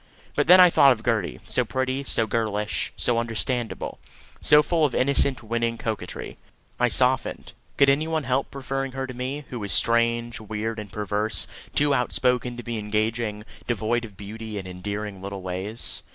But then I thought of Gertie, so pretty, so girlish, so understandable, so full of innocent winning coquetry. I softened. Could any one help preferring her to me, who was strange, weird, and perverse too outspoken to be engaging, devoid of beauty and endearing little ways?